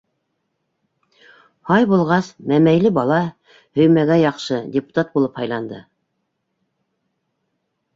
Һай булғас, мәмәйле бала һөймәгә яҡшы, депутат булып һайланды.